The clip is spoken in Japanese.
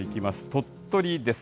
鳥取です。